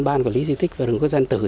ban của lý di tích và đồng quốc dân tử